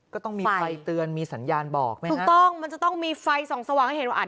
ก็ต้องมีไฟเตือนมีสัญญาณบอกนะครับถูกต้องมันจะต้องมีไฟส่องสว่างให้เห็นว่าอาจ